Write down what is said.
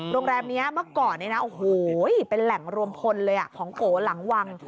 โรงแรมนี้เมื่อก่อนเนี่ยนะโอ้โหเป็นแหล่งรวมพลเลยของโกหลังวัง